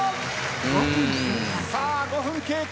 さあ５分経過。